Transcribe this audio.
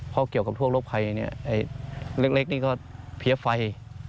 เพราะเกี่ยวกับพวกโรคภัยเล็กนี่ก็เพี้ยไฟ